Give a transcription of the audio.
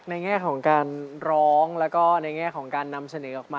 แง่ของการร้องแล้วก็ในแง่ของการนำเสนอออกมา